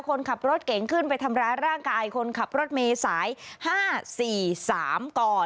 คนขับรถเก๋งขึ้นไปทำร้ายร่างกายคนขับรถเมย์สาย๕๔๓ก่อน